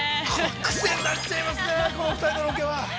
◆くせになっちゃいますね、この２人のロケは。